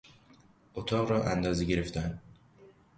اتاق را اندازه گرفتن